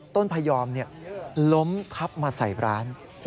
พยอมล้มทับมาใส่ร้าน